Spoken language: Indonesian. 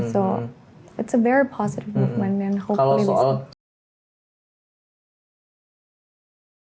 jadi itu pergerakan yang positif